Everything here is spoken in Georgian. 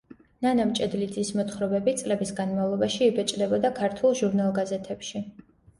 ნანა მჭედლიძის მოთხრობები წლების განმავლობაში იბეჭდებოდა ქართულ ჟურნალ–გაზეთებში.